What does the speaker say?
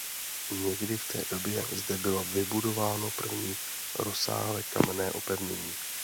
Někdy v té době zde bylo vybudováno první rozsáhlé kamenné opevnění.